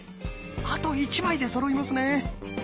あと１枚でそろいますね。